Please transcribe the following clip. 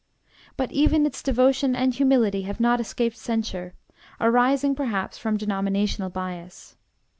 But even its devotion and humility have not escaped censure arising, perhaps, from denominational bias.